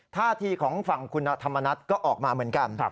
ท่าทีของฝั่งคุณธรรมนัฐก็ออกมาเหมือนกัน